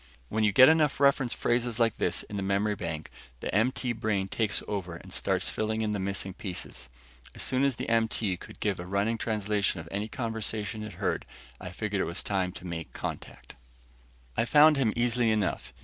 When you get enough reference phrases like this in the memory bank, the MT brain takes over and starts filling in the missing pieces. As soon as the MT could give a running translation of any conversation it heard, I figured it was time to make a contact. I found him easily enough.